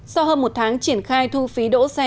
sau hơn một tháng triển khai thu phí đỗ xe